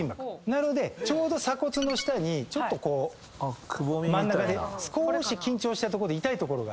なのでちょうど鎖骨の下にちょっと真ん中で少し緊張したとこで痛い所が。